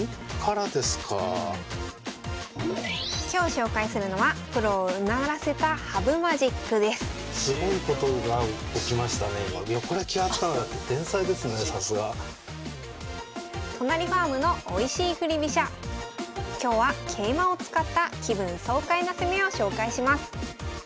今日紹介するのはプロをうならせた羽生マジックです都成ファームのおいしい振り飛車。今日は桂馬を使った気分爽快な攻めを紹介します